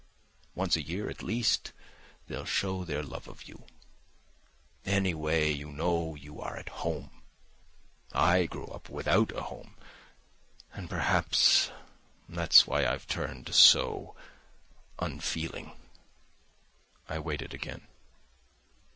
Once a year at least, they'll show their love of you. Anyway, you know you are at home. I grew up without a home; and perhaps that's why I've turned so ... unfeeling." I waited again.